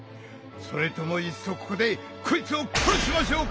それともいっそここでこいつを殺しましょうか！？